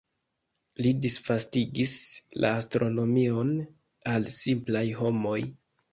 Li disvastigis la astronomion al simplaj homoj.